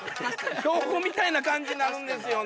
標語みたいな感じになるんですよ。